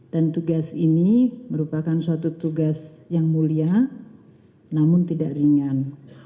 dan tugas ini merupakan suatu tugas yang mulia namun tidak ringan